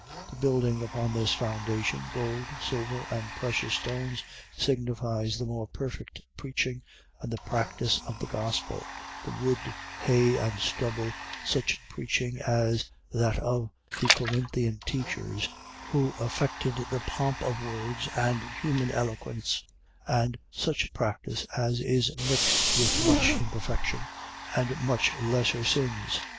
The building upon this foundation gold, silver, and precious stones, signifies the more perfect preaching and practice of the gospel; the wood, hay, and stubble, such preaching as that of the Corinthian teachers (who affected the pomp of words and human eloquence) and such practice as is mixed with much imperfection, and many lesser sins.